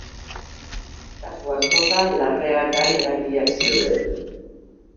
Kasu askotan larreak gain erabiliak zeuden.